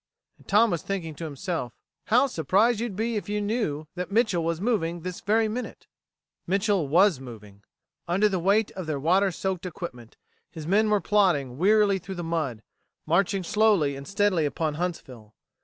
And Tom was thinking to himself: "How surprised you'd be if you knew that Mitchel was moving this very minute." Mitchel was moving. Under the weight of their water soaked equipment, his men were plodding wearily through the mud, marching slowly and steadily upon Huntsville.